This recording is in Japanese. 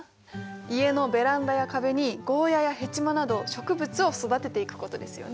家のベランダや壁にゴーヤやヘチマなど植物を育てていくことですよね。